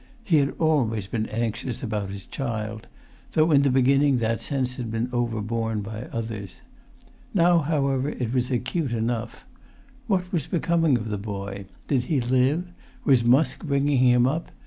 He had always been anxious about his child, though in the beginning that sense had been overborne by others. Now, however, it was acute enough. What was[Pg 242] becoming of the boy? Did he live? Was Musk bringing him up?